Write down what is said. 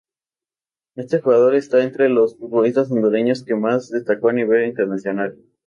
Este jugador, está entre los futbolistas hondureños que más destacó a nivel internacional.